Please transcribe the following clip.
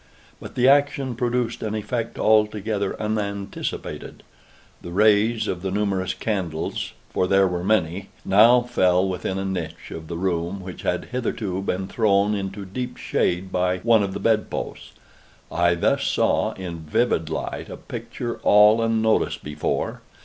But the action produced an effect altogether unanticipated. The rays of the numerous candles (for there were many) now fell within a niche of the room which had hitherto been thrown into deep shade by one of the bed posts. I thus saw in vivid light a picture all unnoticed before.